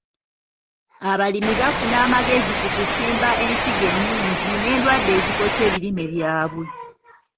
Abalimi bafuna amagezi ku kusimba ensigo ennungi n'endwadde ezikosa ebirime byabwe.